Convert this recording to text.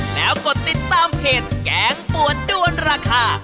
แล้วกดติดตามเพจแกงปวดด้วนราคา